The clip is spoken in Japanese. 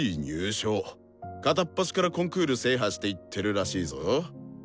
片っ端からコンクール制覇していってるらしいぞ。